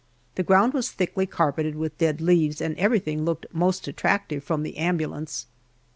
The ground was thickly carpeted with dead leaves, and everything looked most attractive from the ambulance.